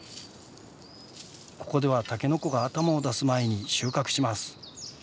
ここではタケノコが頭を出す前に収穫します。